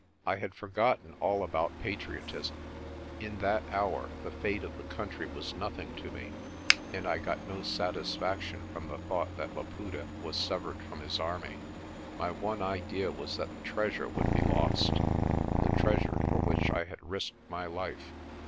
I had for gotten all about patriotism. In that hour the fate of the country was nothing to me and I got no satisfaction from the thought that Laputa was severed from his army. My one idea was that the treasure would be lost, the treasure for which I had risked my life.